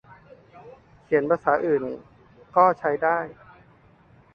เขียนภาษาอื่นก็ใช้ได้